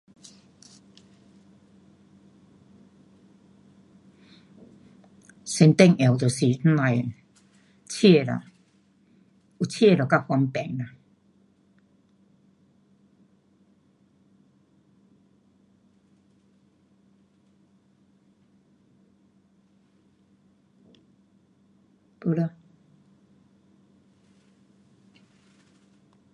最重要就是那样的车啦，有车就较方便呐，没了